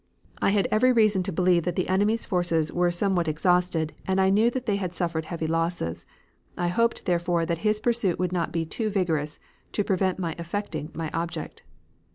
"I had every reason to believe that the enemy's forces were somewhat exhausted and I knew that they had suffered heavy losses. I hoped, therefore, that his pursuit would not be too vigorous to prevent me effecting my object.